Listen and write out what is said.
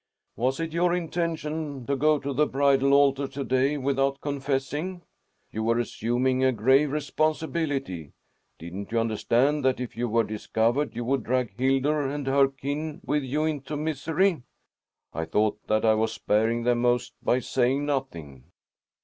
"Was it your intention to go to the bridal altar to day without confessing? You were assuming a grave responsibility. Didn't you understand that if you were discovered you would drag Hildur and her kin with you into misery?" "I thought that I was sparing them most by saying nothing."